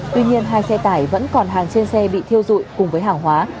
tuy nhiên hai xe tải vẫn còn hàng trên xe bị thiêu dụi cùng với hàng hóa